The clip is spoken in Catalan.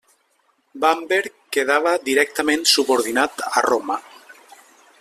Bamberg quedava directament subordinat a Roma.